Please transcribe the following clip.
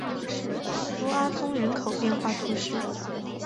多阿宗人口变化图示